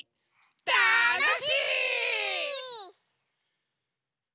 たのしい！